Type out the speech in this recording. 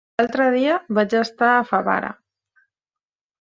L'altre dia vaig estar a Favara.